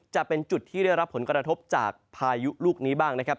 จะเป็นจุดที่ได้รับผลกระทบจากพายุลูกนี้บ้างนะครับ